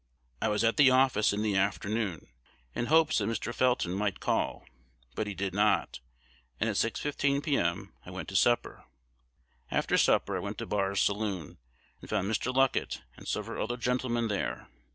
"I was at the office in the afternoon in hopes that Mr. Felton might call, but he did not; and at 6.15, p.m., I went to supper. After supper, I went to Barr's saloon, and found Mr. Luckett and several other gentlemen there.